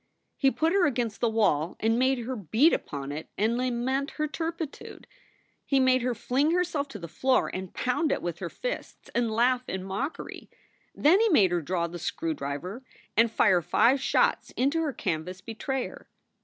He put her against the wall and made her beat upon it and lament her turpitude. He made her fling herself to the floor and pound it with her fists and laugh in mockery. Then he made her draw the screw driver and fire five shots into her canvas betrayer.